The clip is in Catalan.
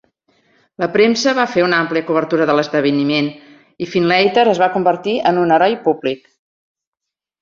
La premsa va fer una àmplia cobertura de l'esdeveniment, i Findlater es va convertir en un heroi públic.